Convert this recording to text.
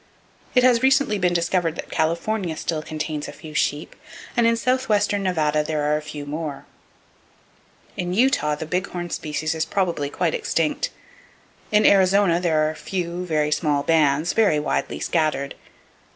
It has recently been discovered that California still contains a few sheep, and in southwestern Nevada there are a few more. In Utah, the big horn species is probably quite extinct. In Arizona, there are a few very small bands, very widely scattered.